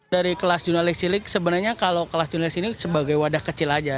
dari kelas jurnalis cilik sebenarnya kalau kelas jurnalis ini sebagai wadah kecil aja